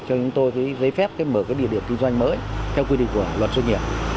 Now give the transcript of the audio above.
cho chúng tôi giấy phép mở địa điểm kinh doanh mới theo quy định của luật doanh nghiệp